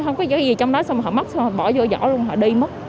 không có gì trong đó họ móc rồi bỏ vô giỏ luôn họ đi mất